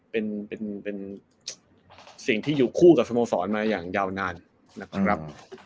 เป็นสิ่งที่อยู่คู่กับสโมสรมาอย่างยาวนานนะครับ